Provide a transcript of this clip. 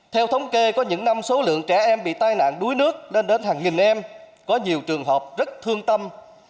theo thống kê có những năm số lượng trẻ em bị tai nạn đuối nước lên đến hàng nghìn em có nhiều trường hợp rất thương tâm